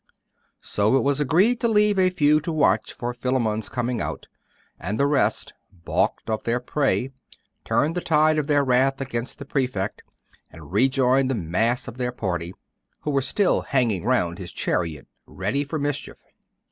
So it was agreed to leave a few to watch for Philammon's coming out; and the rest, balked of their prey, turned the tide of their wrath against the Prefect, and rejoined the mass of their party, who were still hanging round his chariot, ready for mischief.